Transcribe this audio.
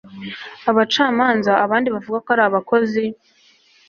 abacamanza abandi bavuga ko ari abakozi